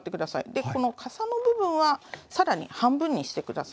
でこのかさの部分は更に半分にして下さいね。